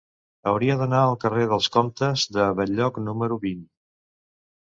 Hauria d'anar al carrer dels Comtes de Bell-lloc número vint.